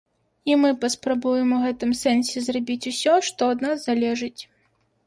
І мы паспрабуем у гэтым сэнсе зрабіць усё, што ад нас залежыць.